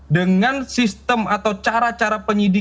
dengan sistem atau cara cara penyidikan